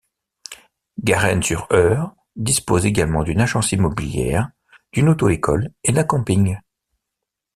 Garennes-sur-Eure dispose également d'une agence immobilière, d'une auto-école et d'un camping.